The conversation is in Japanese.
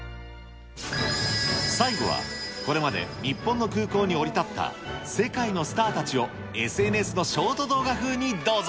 最後は、これまで日本の空港に降り立った世界のスターたちをＳＮＳのショート動画風にどうぞ。